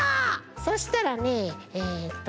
そしたらねええっと